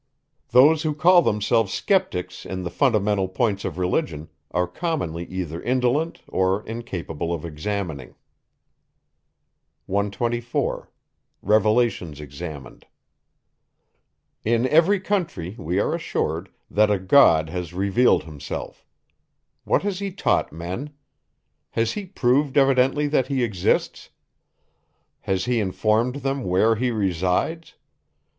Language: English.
Those who call themselves sceptics in the fundamental points of religion, are commonly either indolent or incapable of examining. 124. In every country, we are assured, that a God has revealed himself. What has he taught men? Has he proved evidently that he exists? Has he informed them where he resides?